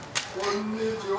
こんにちは。